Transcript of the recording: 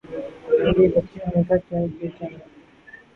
یہ بچے ہمیشہ بے چین رہتیں ہیں